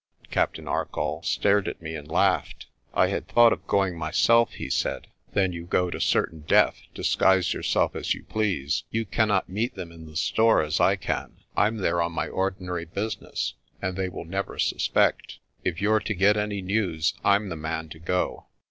Captain Arcoll stared at me and laughed. "I had thought of going myself," he said. "Then you go to certain death, disguise yourself as you please. You cannot meet them in the store as I can. I'm there on my ordinary business, and they will never suspect. If you're to get any news, I'm the man to go."